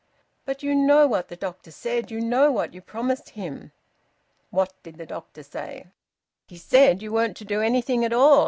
"But you know what the doctor said! You know what you promised him!" "What did the doctor say?" "He said you weren't to do anything at all.